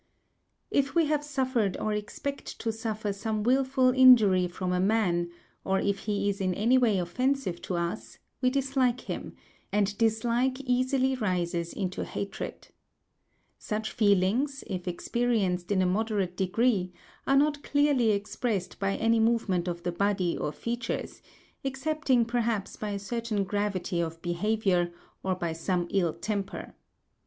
If we have suffered or expect to suffer some wilful injury from a man, or if he is in any way offensive to us, we dislike him; and dislike easily rises into hatred. Such feelings, if experienced in a moderate degree, are not clearly expressed by any movement of the body or features, excepting perhaps by a certain gravity of behaviour, or by some ill temper.